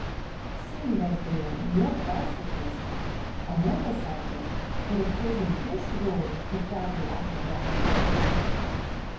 It seemed as though no bicyclist, or motor cyclist would have chosen this road to travel after dark.